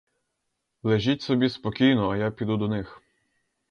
Лежіть собі спокійно, а я піду до них.